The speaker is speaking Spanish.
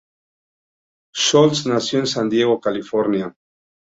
Schultz nació en San Diego, California.